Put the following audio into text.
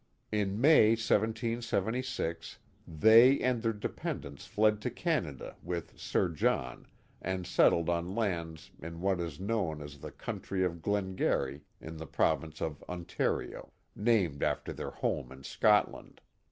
In May, 1776, they and their dependants fled to Canada with Sir John and settled on lands in what is known as the county of Glengarry in the province of Ontario, named after their home in Scotland.